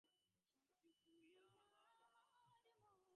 নিসার আলি লক্ষ করলেন, ফিরোজের চোখের পাতা ঘনঘন পড়তে শুরু করেছে।